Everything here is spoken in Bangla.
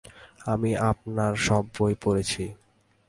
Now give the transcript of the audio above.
আমি আপনার সব বই পড়েছি।